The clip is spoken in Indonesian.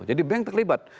jadi bank terlibat